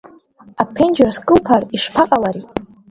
Аԥенџьыр скылԥар ишԥаҟалари?